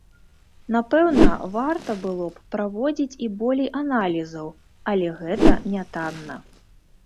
Напэўна, варта было б праводзіць і болей аналізаў, але гэта нятанна.